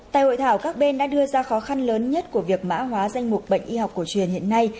tại hội thảo các bên đã đưa ra khó khăn lớn nhất của việc mã hóa danh mục bệnh y học cổ truyền hiện nay